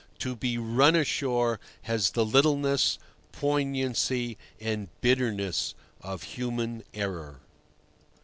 To be "run ashore" has the littleness, poignancy, and bitterness of human error.